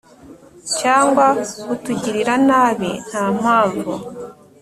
cyangwa kutugirira nabi Nta mpamvu